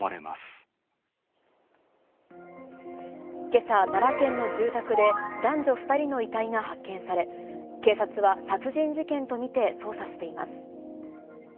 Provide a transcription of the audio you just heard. けさ、奈良県の住宅で男女２人の遺体が発見され、警察は殺人事件と見て捜査しています。